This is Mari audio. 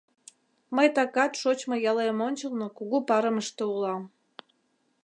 Мый такат шочмо ялем ончылно кугу парымыште улам.